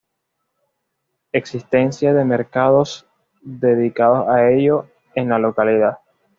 Existencia de mercados dedicados a ello en la localidad